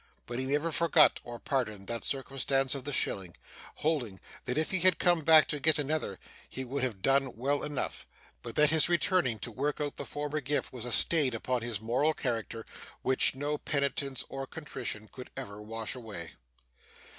But he never forgot or pardoned that circumstance of the shilling; holding that if he had come back to get another he would have done well enough, but that his returning to work out the former gift was a stain upon his moral character which no penitence or contrition could ever wash away.